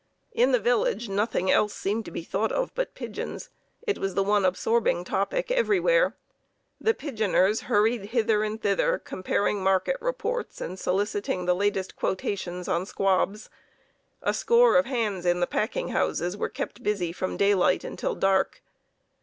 In the village nothing else seemed to be thought of but pigeons. It was the one absorbing topic everywhere. The "pigeoners" hurried hither and thither, comparing market reports, and soliciting the latest quotations on "squabs." A score of hands in the packing houses were kept busy from daylight until dark.